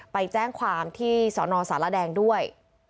ไปแจ้งความที่สนสารแดงด้วย